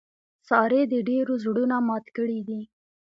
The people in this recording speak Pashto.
سارې د ډېرو زړونه مات کړي دي.